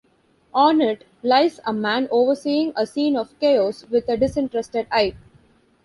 On it lies a man overseeing a scene of chaos with a disinterested eye.